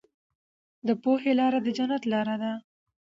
د پوهې لاره د جنت لاره ده.